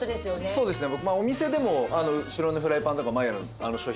そうですね。